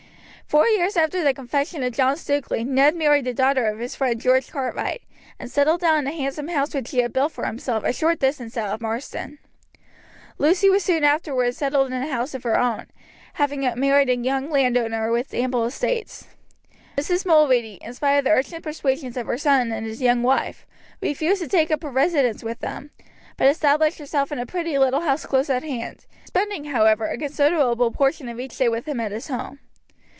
Four years after the confession of John Stukeley Ned married the daughter of his friend George Cartwright, and settled down in a handsome house which he had built for himself a short distance out of Marsden. Lucy was soon afterward settled in a house of her own, having married a young landowner with ample estates. Mrs. Mulready, in spite of the urgent persuasions of her son and his young wife, refused to take up her residence with them, but established herself in a pretty little house close at hand, spending, however, a considerable portion of each day with him at his home.